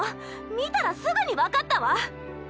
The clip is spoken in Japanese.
見たらすぐに分かったわ！